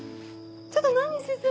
ちょっと何進！